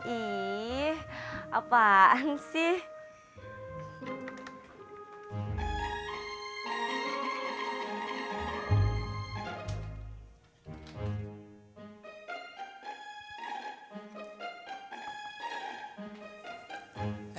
ih apaan sih